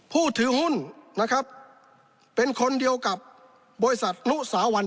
ผู้ถือหุ้นนะครับเป็นคนเดียวกับบริษัทนุสาวัล